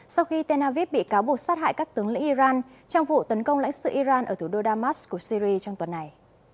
sau khi tel aviv bị cáo buộc sát hại các tướng lĩnh iran trong vụ tấn công lãnh sự iran ở thủ đô damas của syri trong tuần này